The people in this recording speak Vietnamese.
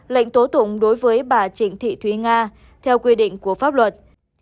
lệnh tố tụng đối với bà trịnh thị thúy nga theo quy định của pháp luật